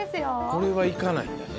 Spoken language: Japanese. これは行かないんだね